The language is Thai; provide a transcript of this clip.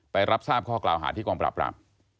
ไปรับทราบข้อกล่าวหาดที่กรรมประหลาบ